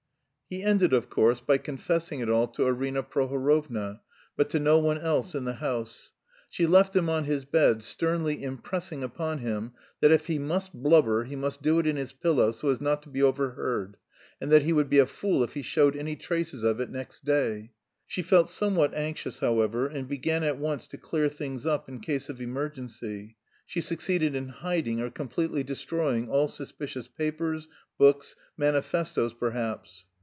He ended, of course, by confessing it all to Arina Prohorovna but to no one else in the house. She left him on his bed, sternly impressing upon him that "if he must blubber he must do it in his pillow so as not to be overheard, and that he would be a fool if he showed any traces of it next day." She felt somewhat anxious, however, and began at once to clear things up in case of emergency; she succeeded in hiding or completely destroying all suspicious papers, books, manifestoes perhaps.